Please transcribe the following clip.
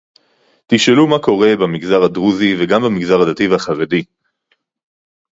תשאלו מה קורה במגזר הדרוזי וגם במגזר הדתי והחרדי